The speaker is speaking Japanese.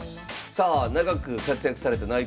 さあ長く活躍された内藤九段。